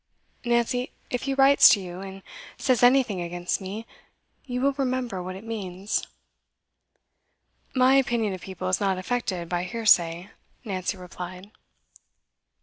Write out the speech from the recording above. Nancy, if he writes to you, and says anything against me, you will remember what it means?' 'My opinion of people is not affected by hearsay,' Nancy replied.